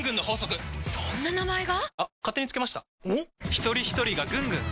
ひとりひとりがぐんぐん！